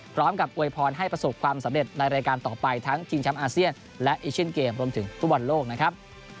อวยพรให้ประสบความสำเร็จในรายการต่อไปทั้งชิงแชมป์อาเซียนและเอเชียนเกมรวมถึงฟุตบอลโลกนะครับ